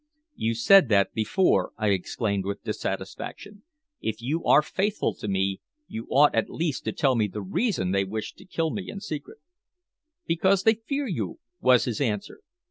"You said that before," I exclaimed with dissatisfaction. "If you are faithful to me, you ought at least to tell me the reason they wished to kill me in secret." "Because they fear you," was his answer.